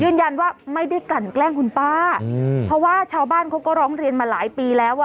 ยืนยันว่าไม่ได้กลั่นแกล้งคุณป้าอืมเพราะว่าชาวบ้านเขาก็ร้องเรียนมาหลายปีแล้วอ่ะ